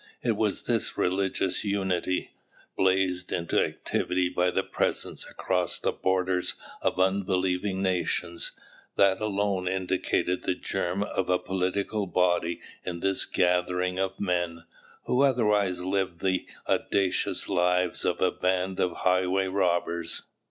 It was this religious unity, blazed into activity by the presence across the borders of unbelieving nations, that alone indicated the germ of a political body in this gathering of men, who otherwise lived the audacious lives of a band of highway robbers.